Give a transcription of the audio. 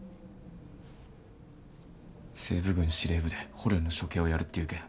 西部軍司令部で捕虜の処刑をやるっていうけん